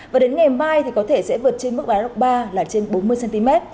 và đến ngày mai thì có thể sẽ vượt trên mức báo động ba là trên bốn mươi cm